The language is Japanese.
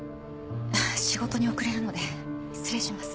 仕事に遅れるので失礼します。